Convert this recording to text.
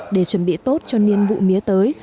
để chuẩn bị tốt cho niên vụ mía tới